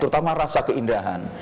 terutama rasa keindahan